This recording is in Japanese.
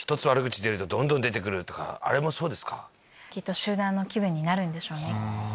集団の気分になるんでしょうね。